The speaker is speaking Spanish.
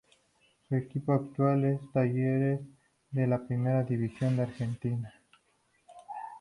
Su equipo actual es Talleres de la Primera División de Argentina.